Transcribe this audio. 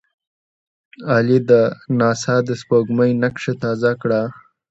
عالي ده! ناسا د سپوږمۍ نقشه تازه کړه.